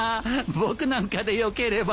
僕なんかでよければ。